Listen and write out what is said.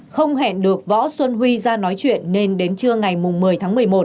không hẹn được võ xuân huy ra nói chuyện nên đến trưa ngày một mươi tháng một mươi một